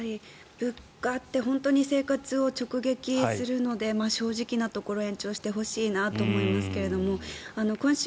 物価って本当に生活を直撃するので正直なところ延長してほしいなと思いますが今週、